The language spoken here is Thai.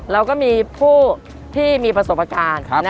เราก็มีผู้ที่มีประสบการณ์